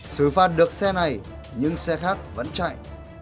sử phạt được xe này nhưng xe khác vẫn chạy